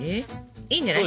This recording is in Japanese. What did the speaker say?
いいんじゃない？